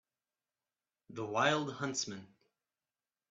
The wild huntsman